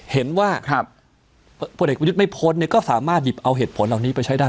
เห็นว่าพลเอกประยุทธ์ไม่พ้นก็สามารถหยิบเอาเหตุผลเหล่านี้ไปใช้ได้